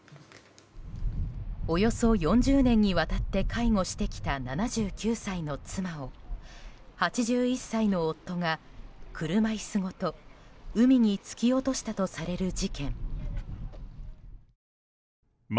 およそ４０年にわたって介護してきた７９歳の妻を８１歳の夫が車椅子ごと海に突き落としたとされる事件。